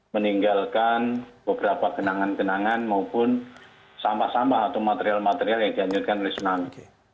meninggalkan beberapa kenangan kenangan maupun sampah sampah atau material material yang dianjurkan oleh tsunami